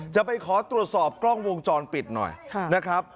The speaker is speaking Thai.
จะไปขอตรวจสอบกล้องวงจรปิดหน่อยนะครับ